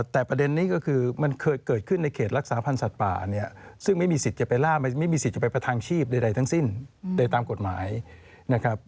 แต่ประเด็นนี้ก็คือมันเคยเกิดขึ้นในเขตรักษาพันธ์สัตว์ป่าเนี่ยซึ่งไม่มีสิทธิ์จะไปล่าไม่มีสิทธิ์จะไปประทังชีพใดทั้งสิ้นโดยตามกฎหมายนะครับ